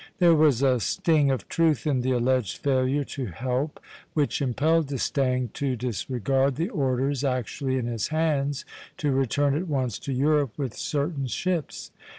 There was a sting of truth in the alleged failure to help, which impelled D'Estaing to disregard the orders actually in his hands to return at once to Europe with certain ships.